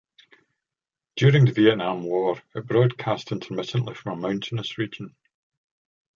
During the Vietnam War it broadcast intermittently from a mountainous region.